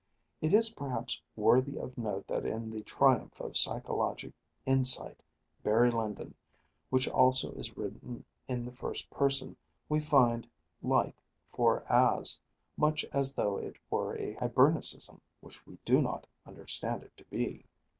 It is perhaps worthy of note that in that triumph of psychologic insight Barry Lyndon, which also is written in the first person, we find like for as, much as though it were a Hibernicism, which we do not understand it to be.